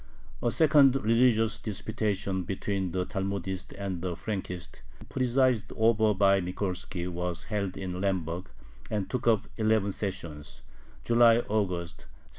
A second religious disputation between the Talmudists and the Frankists, presided over by Mikolski, was held in Lemberg, and took up eleven sessions (July August, 1759).